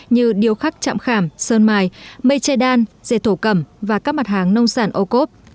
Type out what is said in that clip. như điêu khắc chạm khảm sơn mài mây che đan dệt thổ cẩm và các mặt hàng nông sản ô cốp